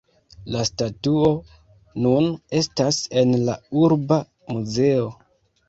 La statuo nun estas en la urba muzeo.